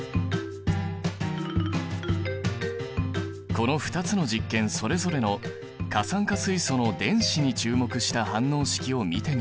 この２つの実験それぞれの過酸化水素の電子に注目した反応式を見てみよう。